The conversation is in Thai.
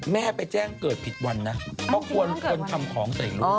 แม่งจริงต้องเกิดวัน